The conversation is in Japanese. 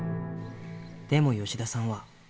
でも吉田さんは。